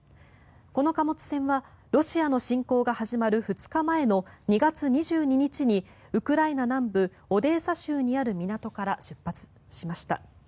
この貨物船はロシアの侵攻が始まる２日前の２月２２日にウクライナ南部オデーサ州にある港から出発しました。